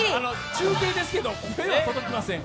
中継ですけど、声は届きません。